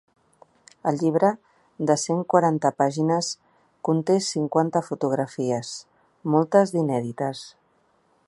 El llibre, de cent quaranta pàgines, conté cinquanta fotografies, moltes d’inèdites.